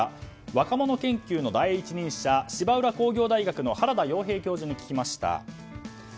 若者研究の第一人者芝浦工業大学の原田曜平教授に聞きました。